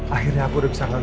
akhirnya aku udah bisa ngeluar